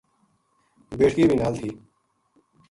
بیٹکی بھی نال تھی۔